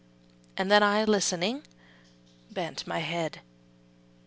'' And then I, listening, bent my head.